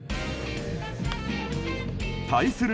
対する